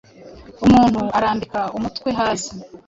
umuntu arambika umutwe hasi.